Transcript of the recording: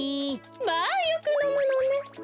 まあよくのむのね。